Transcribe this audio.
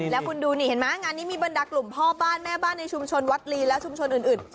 แล้วคุณดูนี่เห็นไหมงานนี้มีบรรดากลุ่มพ่อบ้านแม่บ้านในชุมชนวัดลีและชุมชนอื่น